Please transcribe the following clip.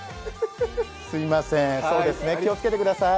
すいません、そうですね気をつけてください。